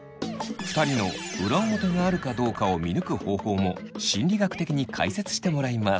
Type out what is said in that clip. ２人の裏表があるかどうかを見抜く方法も心理学的に解説してもらいます。